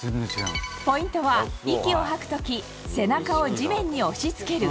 ポイントは、息を吐くとき、背中を地面に押しつける。